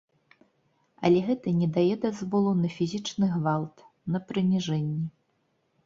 Але гэта не дае дазволу на фізічны гвалт, на прыніжэнні.